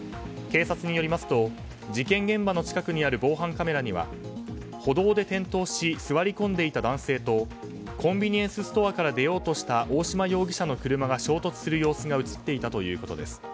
警察によりますと事件現場の近くにある防犯カメラには、歩道で転倒し座り込んでいた男性とコンビニエンスストアから出ようとした大島容疑者の車が衝突する様子が映っていたということです。